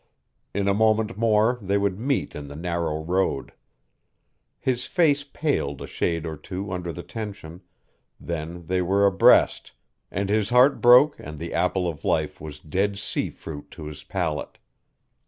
In a moment more they would meet in the narrow road. His face paled a shade or two under the tension then they were abreast and his heart broke and the apple of life was dead sea fruit to his palate.